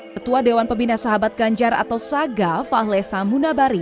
ketua dewan pembina sahabat ganjar atau saga fahlesa munabari